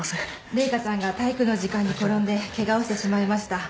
麗華ちゃんが体育の時間に転んでケガをしてしまいました。